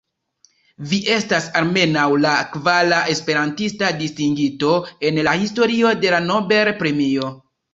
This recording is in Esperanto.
Vi estas almenaŭ la kvara esperantista distingito en la historio de la Nobel-premio.